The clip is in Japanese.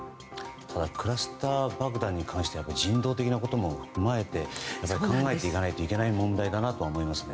ただクラスター爆弾に関しては人道的なことも踏まえて考えていかないといけない問題だなと思いますね。